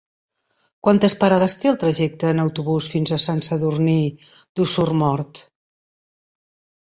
Quantes parades té el trajecte en autobús fins a Sant Sadurní d'Osormort?